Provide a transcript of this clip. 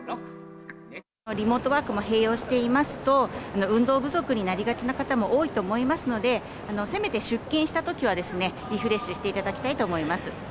リモートワークも併用していますと、運動不足になりがちな方も多いと思いますので、せめて出勤したときは、リフレッシュしていただきたいと思います。